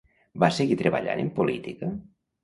Va seguir treballant en política?